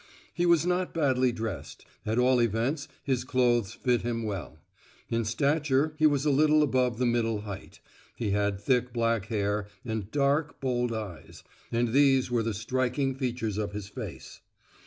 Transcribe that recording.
He was not badly dressed, at all events his clothes fitted him well; in stature he was a little above the middle height; he had thick black hair, and dark, bold eyes—and these were the striking features of his face.